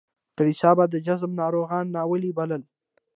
کلیسا به د جذام ناروغان ناولي بلل.